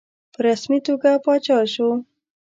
په رسمي توګه پاچا شو.